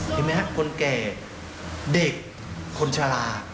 เห็นไหมครับคนแก่เด็กคนชะลา